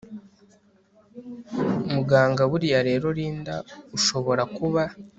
Muganga buriya rero Linda ushobora kuba